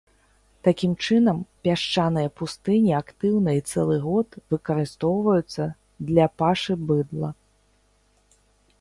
Такім чынам, пясчаныя пустыні актыўна і цэлы год выкарыстоўваюцца для пашы быдла.